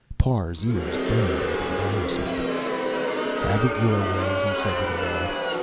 Parr's ears burned with embarrassment. "Have it your way," he said to them all.